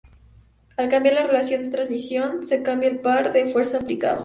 Al cambiar la relación de transmisión se cambia el par de fuerza aplicado.